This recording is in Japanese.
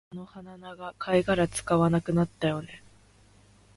あの鼻長、貝殻使わなくなったよね